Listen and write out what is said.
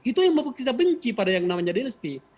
itu yang kita benci pada yang namanya rilisti